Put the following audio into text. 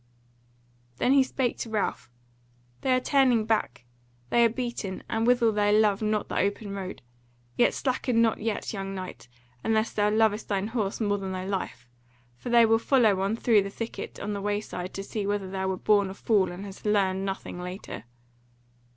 Then he spake to Ralph: "They are turning back: they are beaten, and withal they love not the open road: yet slacken not yet, young knight, unless thou lovest thine horse more than thy life; for they will follow on through the thicket on the way side to see whether thou wert born a fool and hast learned nothing later."